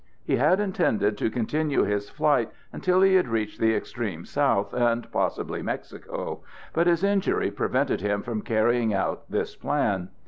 He had intended to continue his flight until he had reached the extreme South, and possibly Mexico, but his injury prevented him from carrying out this plan.